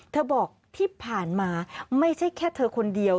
บอกที่ผ่านมาไม่ใช่แค่เธอคนเดียว